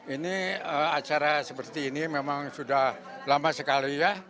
ini acara seperti ini memang sudah lama sekali ya